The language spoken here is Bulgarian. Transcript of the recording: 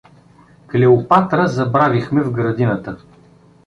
— Клеопатра забравихме в градината!